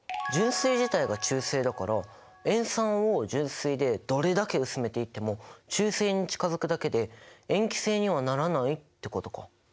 純水自体が中性だから塩酸を純水でどれだけ薄めていっても中性に近づくだけで塩基性にはならないってことか。